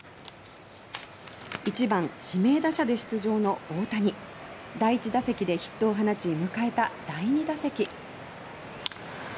一番指名打者で出場の大谷第１打席でヒットを放ち迎えた第２打席。